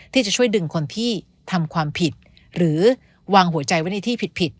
ที่จะช่วยดึงคนที่ทำความผิดหรือวางหัวใจไว้ในที่ผิด